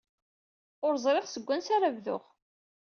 Ur ẓriɣ seg wanseg ara bduɣ.